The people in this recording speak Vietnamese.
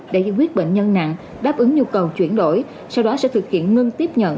để giải quyết bệnh nhân nặng đáp ứng nhu cầu chuyển đổi sau đó sẽ thực hiện ngưng tiếp nhận